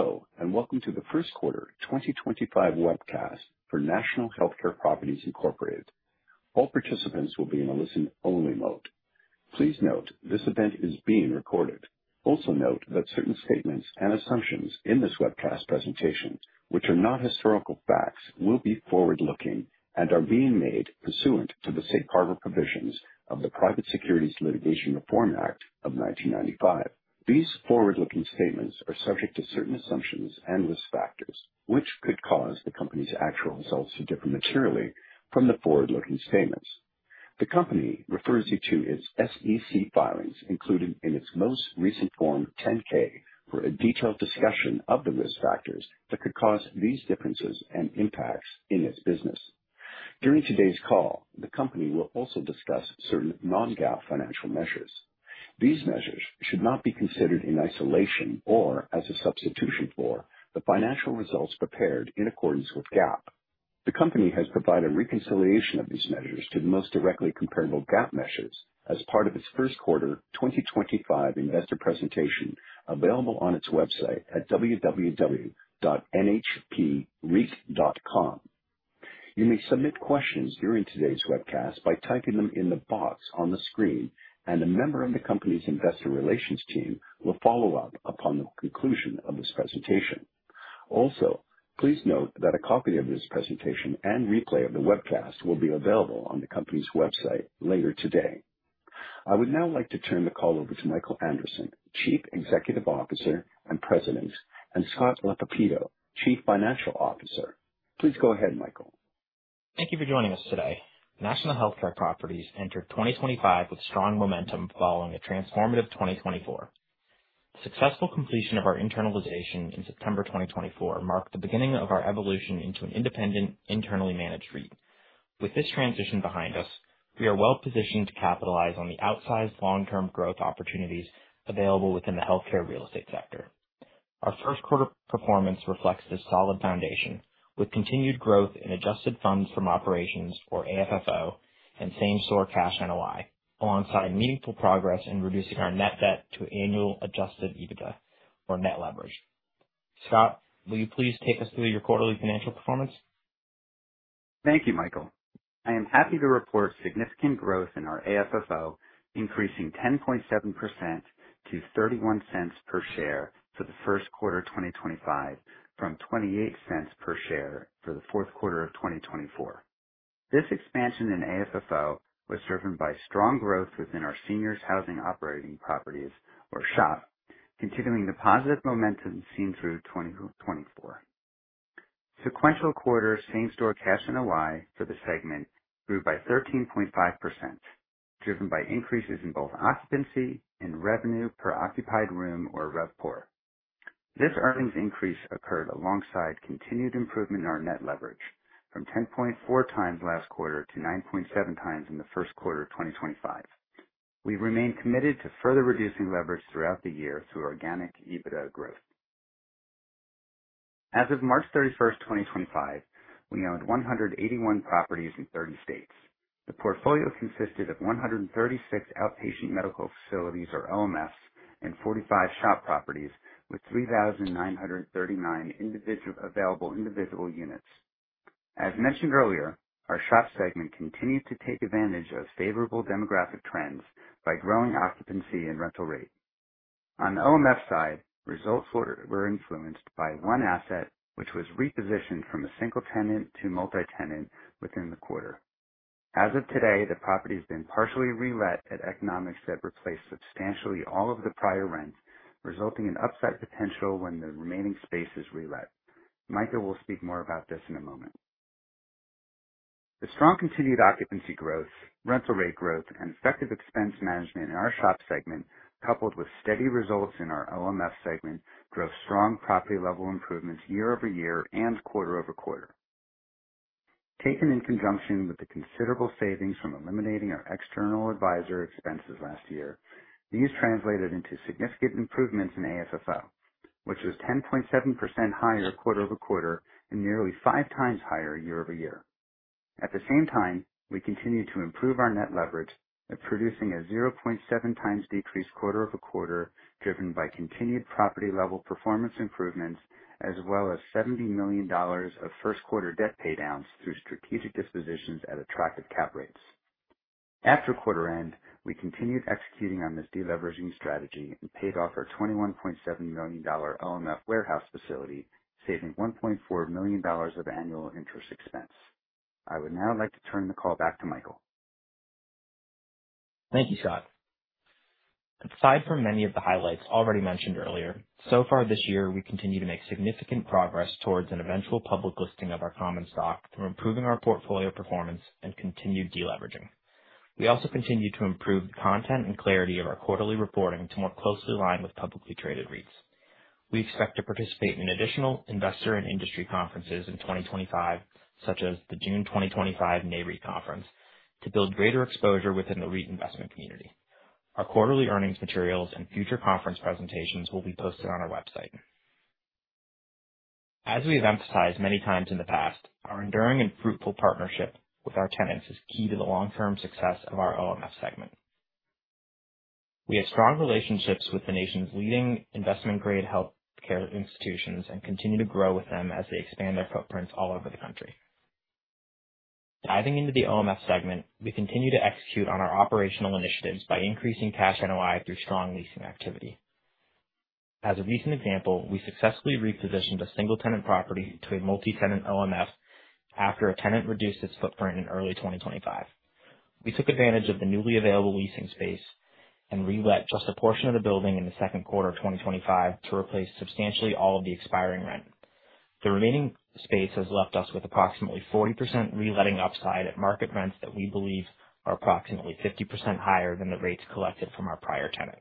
Hello, welcome to the first quarter 2025 Webcast for National Healthcare Properties, Inc. All participants will be in a listen-only mode. Please note this event is being recorded. Also note that certain statements and assumptions in this webcast presentation which are not historical facts will be forward-looking and are being made pursuant to the safe harbor provisions of the Private Securities Litigation Reform Act of 1995. These forward-looking statements are subject to certain assumptions and risk factors, which could cause the company's actual results to differ materially from the forward-looking statements. The company refers you to its SEC filings, including in its most recent Form 10-K, for a detailed discussion of the risk factors that could cause these differences and impacts in its business. During today's call, the company will also discuss certain non-GAAP financial measures. These measures should not be considered in isolation or as a substitution for the financial results prepared in accordance with GAAP. The company has provided reconciliation of these measures to the most directly comparable GAAP measures as part of its first quarter 2025 investor presentation, available on its website at www.nhpreit.com. You may submit questions during today's webcast by typing them in the box on the screen, and a member of the company's investor relations team will follow up upon the conclusion of this presentation. Also, please note that a copy of this presentation and replay of the webcast will be available on the company's website later today. I would now like to turn the call over to Michael Anderson, Chief Executive Officer and President, and Scott M. Lappetito, Chief Financial Officer. Please go ahead, Michael. Thank you for joining us today. National Healthcare Properties entered 2025 with strong momentum following a transformative 2024. Successful completion of our internalization in September 2024 marked the beginning of our evolution into an independent, internally managed REIT. With this transition behind us, we are well-positioned to capitalize on the outsized long-term growth opportunities available within the healthcare real estate sector. Our first quarter performance reflects this solid foundation, with continued growth in adjusted funds from operations, or AFFO, and same-store cash NOI, alongside meaningful progress in reducing our net debt to annual adjusted EBITDA or net leverage. Scott, will you please take us through your quarterly financial performance? Thank you, Michael. I am happy to report significant growth in our AFFO, increasing 10.7% to $0.31 per share for the first quarter 2025 from $0.28 per share for the fourth quarter of 2024. This expansion in AFFO was driven by strong growth within our senior housing operating properties, or SHOP, continuing the positive momentum seen through 2024. Sequential quarter same-store cash NOI for the segment grew by 13.5%, driven by increases in both occupancy and revenue per occupied room or RevPOR. This earnings increase occurred alongside continued improvement in our net leverage from 10.4x last quarter to 9.7x in the first quarter of 2025. We remain committed to further reducing leverage throughout the year through organic EBITDA growth. As of March 31st, 2025, we owned 181 properties in 30 states. The portfolio consisted of 136 outpatient medical facilities, or OMFs, and 45 SHOP properties with 3,939 available individual units. As mentioned earlier, our SHOP segment continued to take advantage of favorable demographic trends by growing occupancy and rental rate. On the OMF side, results were influenced by one asset, which was repositioned from a single tenant to multi-tenant within the quarter. As of today, the property has been partially relet at economics that replace substantially all of the prior rents, resulting in upside potential when the remaining space is relet. Michael will speak more about this in a moment. The strong continued occupancy growth, rental rate growth and effective expense management in our SHOP segment, coupled with steady results in our OMF segment, drove strong property-level improvements year-over-year and quarter-over-quarter. Taken in conjunction with the considerable savings from eliminating our external advisor expenses last year, these translated into significant improvements in AFFO, which was 10.7% higher quarter-over-quarter and nearly 5x higher year-over-year. At the same time, we continued to improve our net leverage at producing a 0.7x decrease quarter-over-quarter, driven by continued property-level performance improvements, as well as $70 million of first quarter debt paydowns through strategic dispositions at attractive cap rates. After quarter end, we continued executing on this deleveraging strategy and paid off our $21.7 million OMF warehouse facility, saving $1.4 million of annual interest expense. I would now like to turn the call back to Michael. Thank you, Scott. Aside from many of the highlights already mentioned earlier, so far this year, we continue to make significant progress towards an eventual public listing of our common stock through improving our portfolio performance and continued deleveraging. We also continue to improve the content and clarity of our quarterly reporting to more closely align with publicly traded REITs. We expect to participate in additional investor and industry conferences in 2025, such as the June 2025 Nareit conference, to build greater exposure within the REIT investment community. Our quarterly earnings materials and future conference presentations will be posted on our website. As we have emphasized many times in the past, our enduring and fruitful partnership with our tenants is key to the long-term success of our OMF segment. We have strong relationships with the nation's leading investment-grade healthcare institutions and continue to grow with them as they expand their footprints all over the country. Diving into the OMF segment, we continue to execute on our operational initiatives by increasing cash NOI through strong leasing activity. As a recent example, we successfully repositioned a single-tenant property to a multi-tenant OMF after a tenant reduced its footprint in early 2025. We took advantage of the newly available leasing space and relet just a portion of the building in the second quarter of 2025 to replace substantially all of the expiring rent. The remaining space has left us with approximately 40% reletting upside at market rents that we believe are approximately 50% higher than the rates collected from our prior tenant.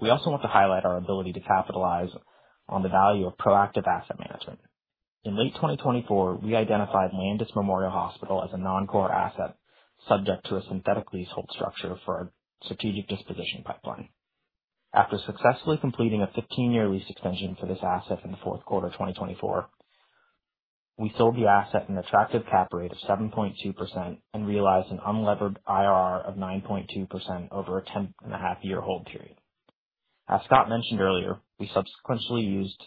We also want to highlight our ability to capitalize on the value of proactive asset management. In late 2024, we identified Landis Memorial Hospital as a non-core asset subject to a synthetic leasehold structure for our strategic disposition pipeline. After successfully completing a 15-year lease extension for this asset in the fourth quarter 2024, we sold the asset an attractive cap rate of 7.2% and realized an unlevered IRR of 9.2% over a 10.5-year hold period. As Scott mentioned earlier, we subsequently used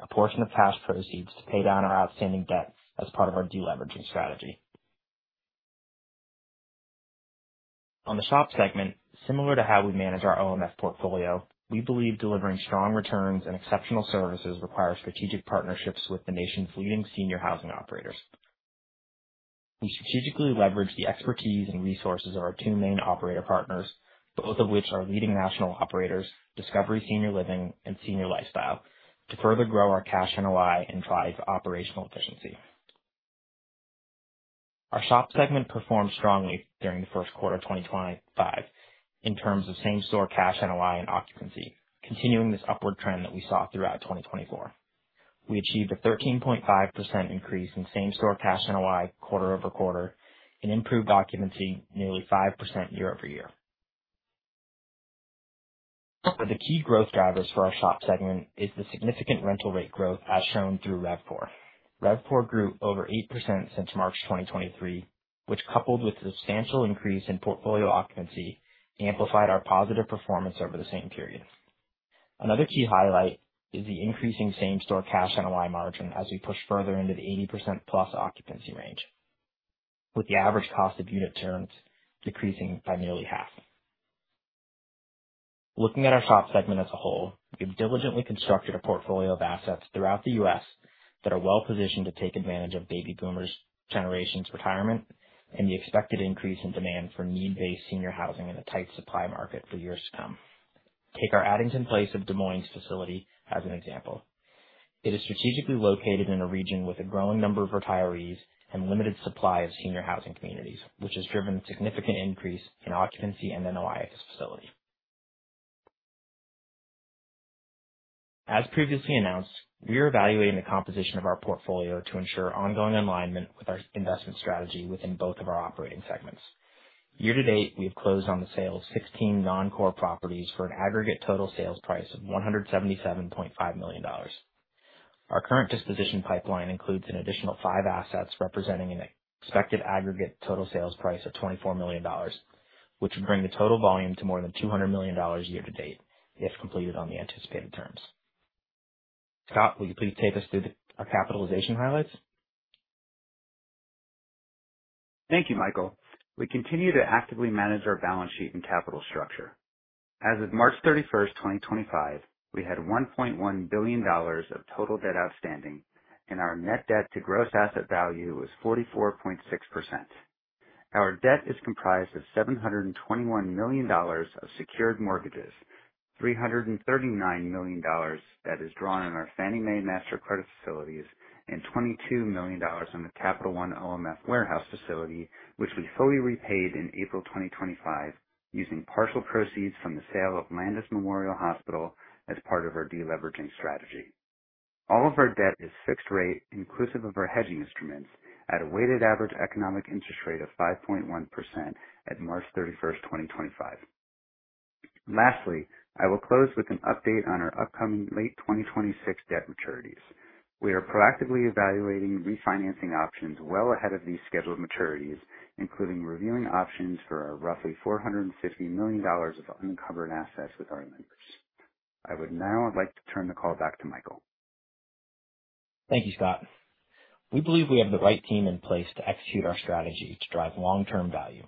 a portion of cash proceeds to pay down our outstanding debt as part of our de-leveraging strategy. On the SHOP segment, similar to how we manage our OMF portfolio, we believe delivering strong returns and exceptional services require strategic partnerships with the nation's leading senior housing operators. We strategically leverage the expertise and resources of our two main operator partners, both of which are leading national operators, Discovery Senior Living and Senior Lifestyle, to further grow our cash NOI and drive operational efficiency. Our SHOP segment performed strongly during the first quarter of 2025 in terms of same-store cash NOI and occupancy, continuing this upward trend that we saw throughout 2024. We achieved a 13.5% increase in same-store cash NOI quarter-over-quarter and improved occupancy nearly 5% year-over-year. One of the key growth drivers for our SHOP segment is the significant rental rate growth as shown through RevPOR. RevPOR grew over 8% since March 2023, which, coupled with a substantial increase in portfolio occupancy, amplified our positive performance over the same period. Another key highlight is the increasing same-store cash NOI margin as we push further into the 80% plus occupancy range, with the average cost of unit turns decreasing by nearly half. Looking at our SHOP segment as a whole, we've diligently constructed a portfolio of assets throughout the U.S. that are well-positioned to take advantage of baby boomers' generation's retirement and the expected increase in demand for need-based senior housing in a tight supply market for years to come. Take our Addington Place of Des Moines facility as an example. It is strategically located in a region with a growing number of retirees and limited supply of senior housing communities, which has driven significant increase in occupancy and NOI at this facility. As previously announced, we are evaluating the composition of our portfolio to ensure ongoing alignment with our investment strategy within both of our operating segments. Year to date, we have closed on the sale of 16 non-core properties for an aggregate total sales price of $177.5 million. Our current disposition pipeline includes an additional five assets representing an expected aggregate total sales price of $24 million, which would bring the total volume to more than $200 million year to date if completed on the anticipated terms. Scott, will you please take us through our capitalization highlights? Thank you, Michael. We continue to actively manage our balance sheet and capital structure. As of March 31, 2025, we had $1.1 billion of total debt outstanding, and our net debt to gross asset value was 44.6%. Our debt is comprised of $721 million of secured mortgages, $339 million that is drawn on our Fannie Mae master credit facilities, and $22 million on the Capital One OMF warehouse facility, which we fully repaid in April 2025 using partial proceeds from the sale of Landis Memorial Hospital as part of our de-leveraging strategy. All of our debt is fixed rate, inclusive of our hedging instruments, at a weighted average economic interest rate of 5.1% at March 31, 2025. Lastly, I will close with an update on our upcoming late 2026 debt maturities. We are proactively evaluating refinancing options well ahead of these scheduled maturities, including reviewing options for our roughly $450 million of unencumbered assets with our lenders. I would now like to turn the call back to Michael. Thank you, Scott. We believe we have the right team in place to execute our strategy to drive long-term value.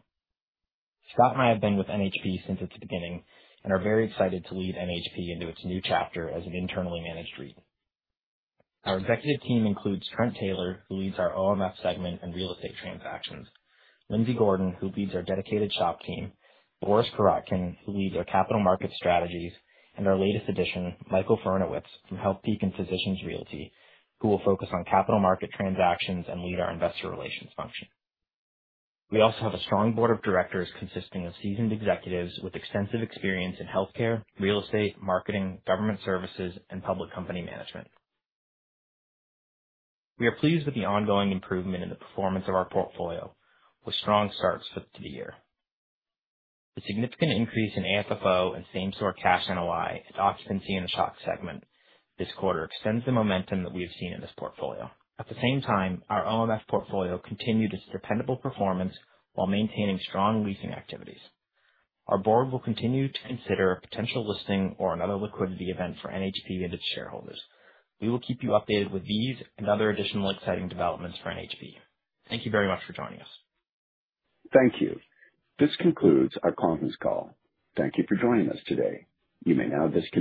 Scott and I have been with NHP since its beginning and are very excited to lead NHP into its new chapter as an internally managed REIT. Our executive team includes Trent Taylor, who leads our OMF segment and real estate transactions; Lindsay Gordon, who leads our dedicated SHOP team; Boris Korotkin, who leads our capital market strategies; and our latest addition, Michael Farinawicz from Healthpeak and Physicians Realty, who will focus on capital market transactions and lead our investor relations function. We also have a strong board of directors consisting of seasoned executives with extensive experience in healthcare, real estate, marketing, government services, and public company management. We are pleased with the ongoing improvement in the performance of our portfolio with strong starts to the year. The significant increase in AFFO and same-store cash NOI and occupancy in the SHOP segment this quarter extends the momentum that we have seen in this portfolio. At the same time, our OMF portfolio continued its dependable performance while maintaining strong leasing activities. Our board will continue to consider a potential listing or another liquidity event for NHP and its shareholders. We will keep you updated with these and other additional exciting developments for NHP. Thank you very much for joining us. Thank you. This concludes our conference call. Thank you for joining us today. You may now disconnect.